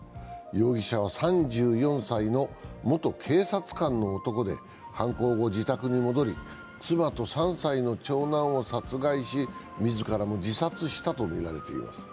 容疑者は３４歳の元警察官の男で犯行後、自宅に戻り、妻と３歳の長男を殺害し自らも自殺したとみられています。